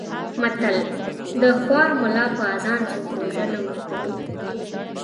متل: د خوار ملا په اذان څوک روژه نه ماتوي.